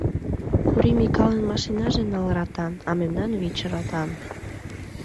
Кури Микалын машинаже ныл ратан, а мемнан — вич ратан.